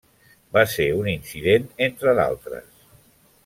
Va ser un incident entre d'altres.